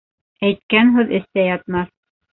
Әйткән һүҙ эстә ятмаҫ.